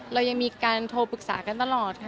เรายังมีการโทรปรึกษากันตลอดค่ะ